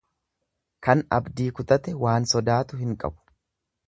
Kan abdii kutate waan sodaatu hin qabu.